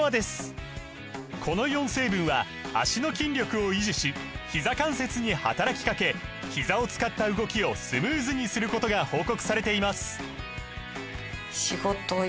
この４成分は脚の筋力を維持しひざ関節に働きかけひざを使った動きをスムーズにすることが報告されています